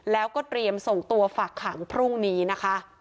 แล้วก็เตรียมส่งตัวฝากขังพรุ่งนี้นะคะ